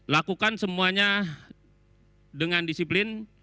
lakukan semuanya dengan disiplin